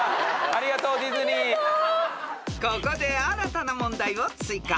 ［ここで新たな問題を追加］